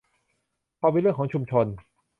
พอเป็นเรื่องของชุมชน